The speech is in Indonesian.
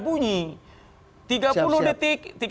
bunyi tiga puluh detik